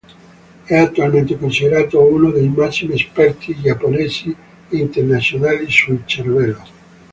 È attualmente considerato uno dei massimi esperti Giapponesi e internazionali sul cervello.